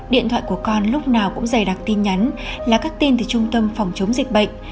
điện thoại của con lúc nào cũng dày đặc tin nhắn là các tin từ trung tâm phòng chống dịch bệnh